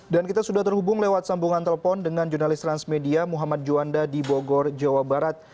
dan kita sudah terhubung lewat sambungan telepon dengan jurnalis transmedia muhammad juanda di bogor jawa barat